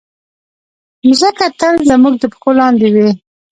مځکه تل زموږ د پښو لاندې وي.